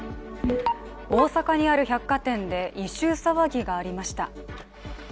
大阪にある百貨店で異臭騒ぎがありました。